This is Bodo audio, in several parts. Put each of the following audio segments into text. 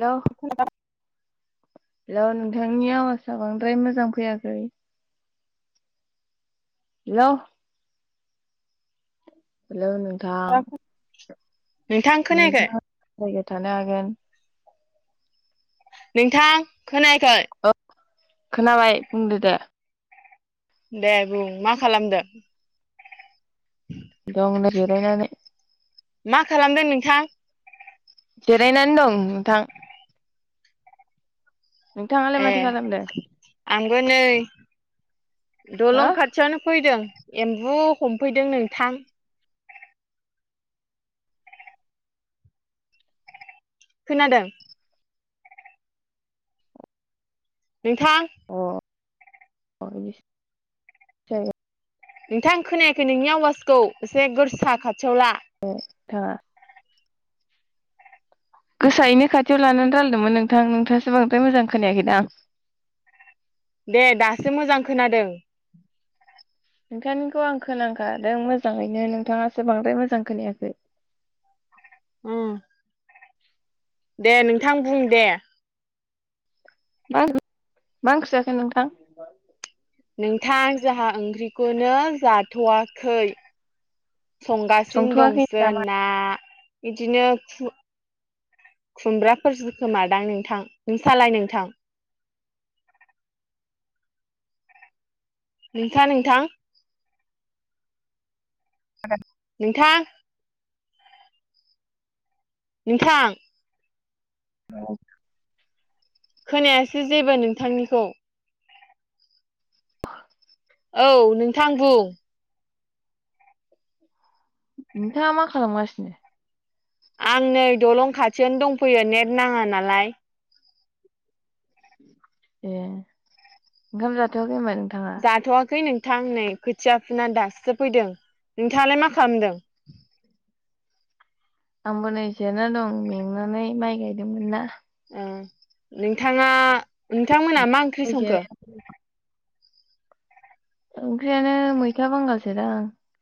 हेलौ हेलौ नोंथांनि आवाजआ बांद्राय मोजां फैयाखै हेलौ हेलौ नों थां नोंथां नेट खोनायाखै नां जायगायाव थानो हागोन नोंथां खोनायाखै औ खोनाबाय बुंदो दे दे बुं मा खालामदो? दं नै जिरायनानै मा खालामदों नोंथां? जिरायनानै दं नोंथां नोंथांङालाय माथो खालामदों? बो नै दलं हो खाथियावनो फैदों एम्बु हमफैदों नोंथां खोनादों नोंथां [unintelligible] नोंथां खोनायाखै नोंनि आवाजखौ एसे गोरसा खाथियाव ला ए थाङा गोसायैनो खाथियाव लानानै रायलायदोंमोन नोंथां नोंथाङासो बांद्राय मोजां खोनायाखै दांं? [unintelligible] दे दासो मोजां खोनादों नोंथांनिखौ आं खोना खादों मोजाङैनो नोंथाङासो बांद्राय मोजां खोनायाखै उम दे नोंथां बुं दे मा [unintelligible] मा ओंख्रि जाखो नोंथां? नोंथां जोहा ओंख्रिखौनो जाथवाखै। संगासिनो दं संथ'वाखै नामा जोना बिदिनो खु खुमब्राफोरसो खोमादां नोंथां नोंसालाय नोंथां? नोंसा नोंथां? [unintelligible] नोंथां नोंथां [unintelligible] खोनायासै जेबो नोंथांनिखौ औ नोंथां बुं नोंथाङा मा खालामगासिनो? आं नै दलं खाथियावनो दंफैयो नेट नाङा नालाय ए ओंखाम जाथवाखै होनबा नों? जाथवाखै नों थां नै खोथिया फुना दासो फैदों नोंथाङालाय मा खालामदों? आंबो नै जेरायना दं मेंनानै माइ गायदोंमोन ना ओं नोंथाङा नोंथांमोना मा ओंख्रि संखो? जिराय ओंख्रियानो मैथा बांगालसो दां।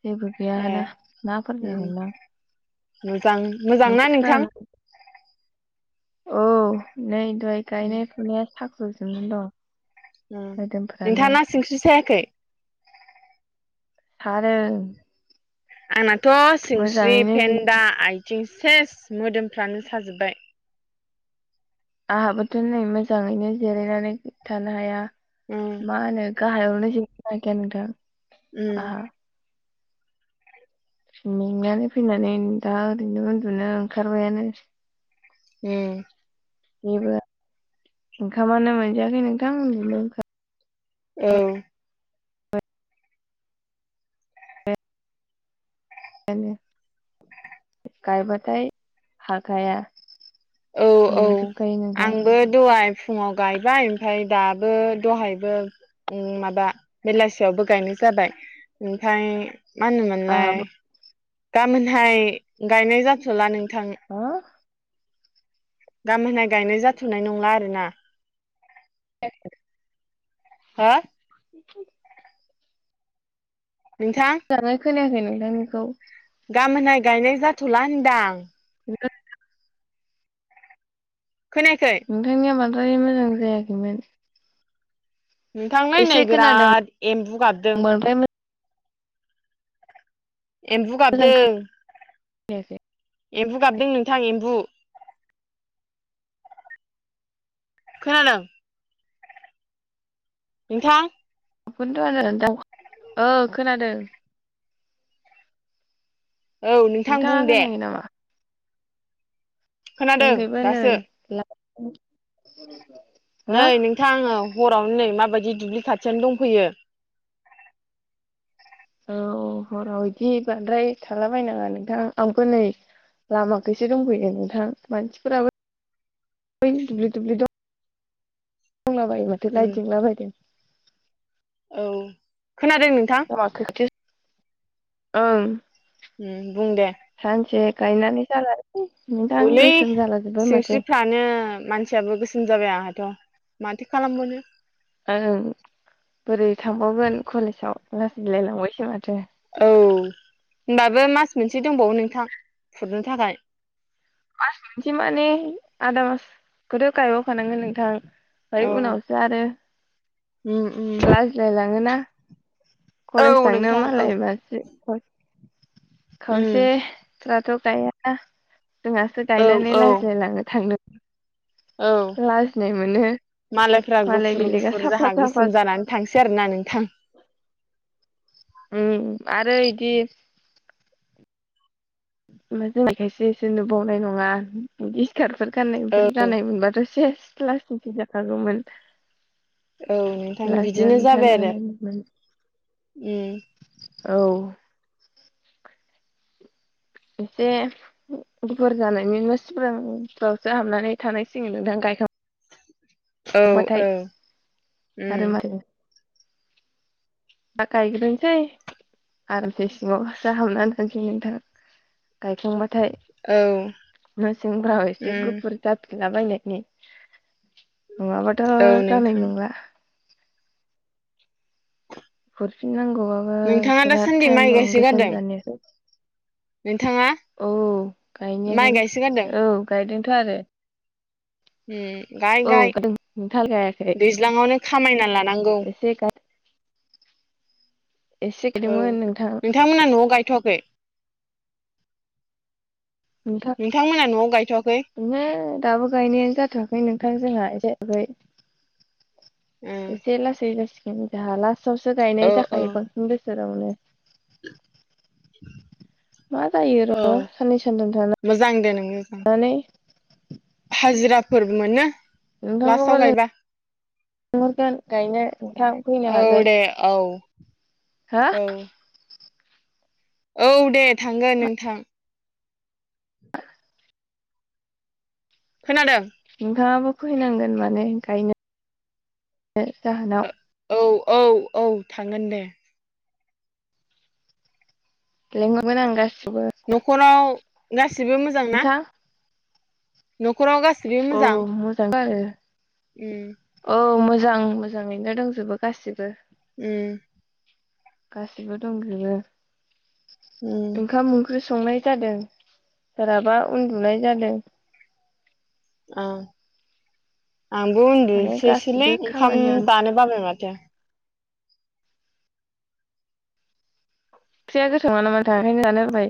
जेबो ए गैयाना नाफोर उम जागोन दां मोजां मोजां ना नोंथां? औ नै दहाय गायनाय फुनाया साख्रुब जुबनानै दं। ओम मोदोमफ्रानो नोंथांना सिंस्रि सायाखै? सादों। आंनाथ सिंस्रि मोजाङैनो जि- फेन्दा आइ थिं सेस मोदोमफ्रानो साजोब्बाय। आहाबोथ' नै मोजाङैनो जिरायनानै थानो हाया उम मा होनो गाहायावनो [unintelligible] नोंथां। उम आंहा मेंनानै फैनानै दा ओरैनो उन्दुनो ओंखारबायानो ए जेबो ओंखामानो मोनजायाखै नोंथां उन्दुनो ओंखा औ बाय [inaudible] [unintelligible] गायबाथाय हाखाया औ औ मेंजोबखायो नोंथां आंबो दहाय फुङाव गायबाय ओमफ्राय दाबो दहायबो ओ माबा बेलासियावबो गायनाय जा बाय ओमफाय मा होनोमोनलाय आंहाबो गाबोनहाय गायनाय जाथ'ला नों हो? गामोनहाय गायनाय जाथ'नाय नंला आरोना। खोनायाखै हो? नोंथां मोजाङै खोनायाखै नोंथांनिखौ। गाबोनहाय गायनाय जाथ'ला होनदां। [inaudible] खोनायाखै नोंथांनिया बांद्राय मोजां खोनायाखैमोन। नोंथांलै नै बिराद एम्बु गाबदों। बांद्राय एम्बु गाबदों। दे दे एम्बु गाबदों नोंथां एम्बु। खोनादों? नोंथां खुगोनथ' आरो नोंथां ओं खोनादों। औ नोंथां नोंथाङा बुं दे। खोनायाखै खोनादों जोंखै बो नै दासो हो नै नोंथां औ। हरावनो नै माबायदि दुब्लि खाथियनो दंफैयो। औ हराव बिदि बांद्राय थालाबायायनाङा नोंथां आंबो नै लामाखैसो दंफैयो नोंथां मानसिफोराबो दुब्लि दुब्लि दं दंलाबायो माथो उम नायदिंलाबायदों। औ खोनादों नोंथां? लामा खोखोथि ओं उम बुं दे सानसे गायनानै जाला औलै माथो सिंस्रिफ्रानो मानसियाबो गोसोम जाबाय आंहाथ'। माथो खालामबावनो आं बोरै थांबावगोन कलेजाव लाजिलायलांबायसो माथो औ होनबाबो मास मोनसे दंबावो नोंथां फुरनो थाखाय। मास मोनसे माने आदा मासखौथ' गायबावखानांगोन नोंथां। ओमफ्राय औ उनावसो आरो उम उम लाजिलायलाङोना औ कलेज थांनो नोंथां औ मालाय मानसि उम खावसे जोंहा थ'गया जोंहासो औ गायनानै औ लाजिलाय लांङनो थांनो। औ लाजिनाय मोनो। मालायफ्रा मालाय गुफुर बेलेगा गुफुर साफा जाहा साफा गोसोम जानानै थांसै आरोना नोंथां। [inaudible] उम आरो इदि म जांनाय खायसे एसो नुबावनाय नङा। [inaudible] [unintelligible] इिस्खारारफोर औ गाननायफोर जानाय मोनबाथ' सेस लासिंसिं जाखागौमोन। औ नोंथां बिदिनो लाजिनानै जाबाय थानो आरो हानाय नंङा मोन उम । औ। एसे गुफुर जानायनि सिगांफोरावसो हाबनानै थानाय सिगोन नोंथां गाय [unintelligible] औ खांबाथाय औ उम आरो मारै दा गायग्रोनसै आरामसे सिंङाव हाबनानै थांनसै नोंथां। गायखांबाथाय औ मेसेंफ्राव एसे उम गुफुर जा गलाबायायनायनि नंङाबाथ' औ जानाय नोंथां नंला। फुरफिननांगौबाबो नोंथाङा बिराद दासान्दि टाइम माइ दं । गायसोगारदों गोसोम जानो नोंथाङा औ माइ गायसोगारदों गायनाय औ गायदोंथ' आरो। उम गाय औा गाय [inaudible] दोंथाल गायाखै दैज्लाङावनो खामायना लानांगौ एसे [inaudible] एसे ओं गायदोंमोन नोंथां ।नोंथांमोना न'आव गायथ'वाखै? नोंथां नोंथांमोना न'आव गायथ'वाखै ओंहो दाबो गायनायानो जाथ'वाखै नोंथां जोंहा एसे उम एसेलासिग जाला [unintelligible] [inaudible] फसावसो औ गायनाय औ जाखायो बांसिन बोसोरावनो। मा जायो औ र' सानै सानथाम थाना मोजां दे नों मोजां थानानैै हाजिराफोर मोनो। लास्टाव थखौबल [inaudible] [unintelligible] गायबा लेंहरगोन गायनो नोंथां फैनो औ हागोन दे औ हा औ औ दे थांगोन नोंथां [inaudible] खोनादों? नोंथांङाबो फैनांगोन माने गायनो जाहानाव औ औ औ थांगोन दे लेंहरगोन‌आं गासिब न'खराव गासिबो मोजां ना? नोंथां 'खराव गाससिबो औ मोजां? मोजां आरो उम औ मोजां मोजांङैनो दंजोबो गाससिबो उम गासिबो दंजोबो उम ओंखाम ओंख्रि संनाय जादों सोरहाबा उन्दुनाय जादों ओं आंबो उनदुनो माने सोयसो लै गासिबो ओंखाम खामानियावनो जानो बाबाय माथो ख्रिया गोथाव नंङा नामा बेखाय जानो बाबाय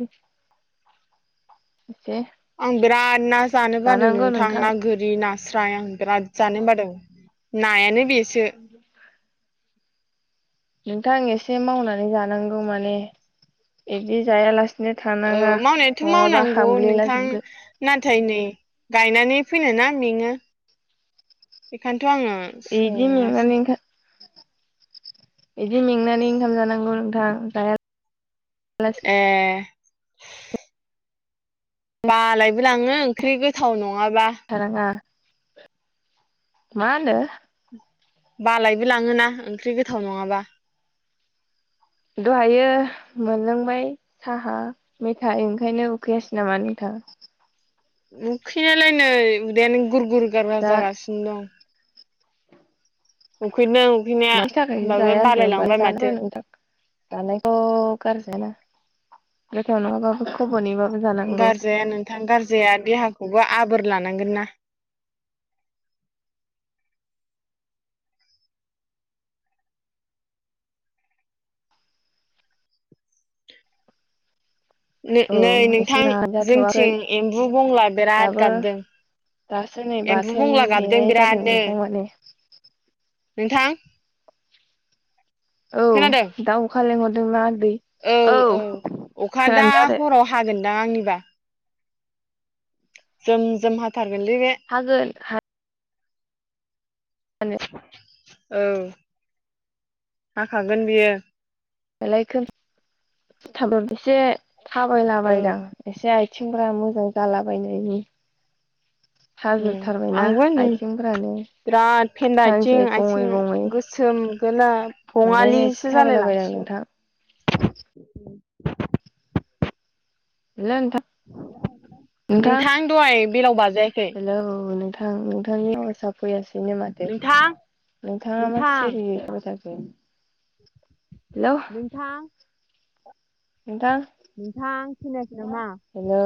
आं बिराद ना जानो बादों नोंथां ना गोरि ना स्राय आं बिराद जानो बादों नायानो बे [inaudible] नोंथां एसे मावनानै जानांगौ माने इदि जायालासे औ मावनायाथ' मावनांगौ हामग्लिला नोंथां जोबगोन ना थाय नै गायनानै फैनायना मेंङो बेखायनो थ' आंङो इदि संङासै बिदि मेंनानै ओंखाम जानांगौ नोंथां जाया ए बालायबो लांङो ओंख्रि गोथाव नङ थारांङा मा होनदो बालायबो लाङोना ओंख्रि गोथाव नंङाबा दहायो मोनलोंबाय साहा मैथा ओंखायनो उखैयासै नामा नोंथां ओ उखैनायालाय नै उदैआनो गुर गुर गार गार दा जागासिनो दं उखैदों उखैनाया मानि थाखाय होमबाबो जाया होनखो होनबा बालायलांबाय जानांगौ माथो नोंथां जानायखौ' गारजाया ना गोथाव‌ नंङा बाबो खबनै बाबो गारजाया नोंथां गारजाया देहाखो खौबो आबोर लानांगोन ना औ नै एसे नोंथां जानाय जाथ'वाखै जोंथिं एम्बु बंला बिराद दाबो गाबदों दासो नै एमबु बाथोन बुंला गाबदों देनाय जादों बिरादनो नोंथां माने नोंथां औ खोनादों दाउ अखा लेंहरदों ना औ औ अखा दा खोनादों हराव हागोनदां आंनिबा जम जम हाथारगोन‌ लै बे आरो हागोन हानायालाय औ हाखागोन बियो बेलाय थाब एसे औ थाबायलाबायदां एसे आ सेंग्रा मोजां जालाबायनायनि उम साजोबथारबायना आंबो नै आथिंफोरानो बिराद फेन्द आथिं आथिं गोसोम गैला ओंखायनो एसे बंङालिसो जालाय थाबायलाबायदां लांसिगोन नोंथां हेलौ नोथां नोंथां दहाय बेलाव बाजायाखै हेलौ नो औ नोंथांनियाव [unintelligible] बिनो माथो नोंथां नोंथाङा मा नोंथां सिरिनो थाबाय थाखो हेल' नोंथां नोंथां नोथां [unintelligible] हेलौ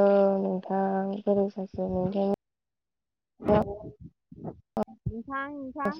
नोंथां गोरों सासे [unintelligible] नोंथां नोंथां